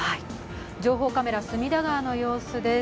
情報カメラ、隅田川の様子です。